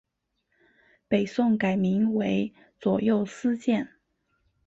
北宋改名为左右司谏。